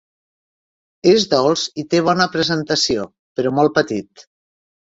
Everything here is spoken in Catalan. És dolç i té bona presentació, però molt petit.